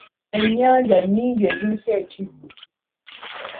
Ennyanja nnyingi ziriko ekiddo.